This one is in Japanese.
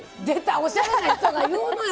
おしゃれな人が言うのよ！